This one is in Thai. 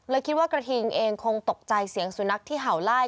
คิดว่ากระทิงเองคงตกใจเสียงสุนัขที่เห่าไล่